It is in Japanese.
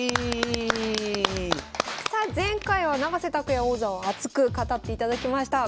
さあ前回は永瀬拓矢王座をアツく語っていただきました。